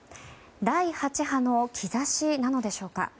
第８波の兆しなのでしょうか。